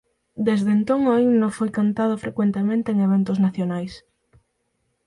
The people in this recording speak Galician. Desde entón o himno foi cantado frecuentemente en eventos nacionais.